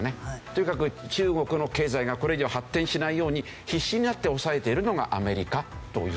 とにかく中国の経済がこれ以上発展しないように必死になって抑えているのがアメリカというところですけど。